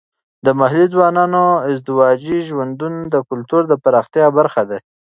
د محلي ځوانانو ازدواجي ژوندونه د کلتور د پراختیا برخه ده.